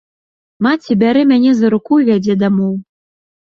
Маці бярэ мяне за руку і вядзе дамоў.